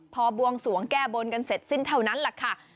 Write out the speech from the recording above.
พอบวงสวงแก้บนกันเสร็จสิ้นเท่านั้นแหละค่ะ